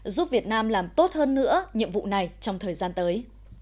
giúp việt nam làm tốt hơn nữa nhiệm vụ này trong thời gian tới